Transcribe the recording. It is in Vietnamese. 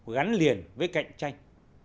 gắn liền với cạnh tranh